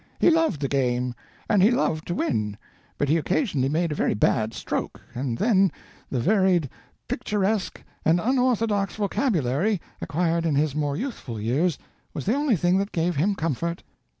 "He loved the game, and he loved to win, but he occasionally made a very bad stroke, and then the varied, picturesque, and unorthodox vocabulary, acquired in his more youthful years, was the only thing that gave him comfort.